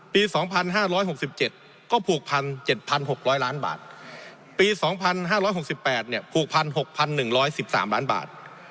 ปี๒๕๖๗ก็ผูกพัน๗๖๐๐ล้านบาทปี๒๕๖๘ผูกพัน๖๑๑๓ล้านบาท